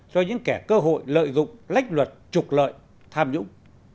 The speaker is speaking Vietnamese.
cho những kẻ cơ hội lợi dụng lách luật trục lợi tham nhũng